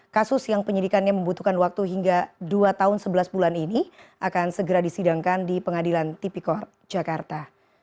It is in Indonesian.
kasus yang penyidikannya membutuhkan waktu hingga dua tahun sebelas bulan ini akan segera disidangkan di pengadilan tipikor jakarta